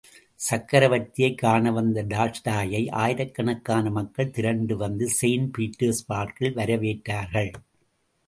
சக்கரவர்த்தியைக் காணவந்த டால்ஸ்டாயை ஆயிரக்கணக்கான மக்கள் திரண்டு வந்து செயிண்ட் பீட்டர்ஸ் பர்க்கில் வரவேற்றார்கள்.